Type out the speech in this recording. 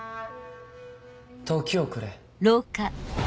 時をくれ。